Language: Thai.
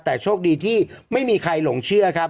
แต่โชคดีที่ไม่มีใครหลงเชื่อครับ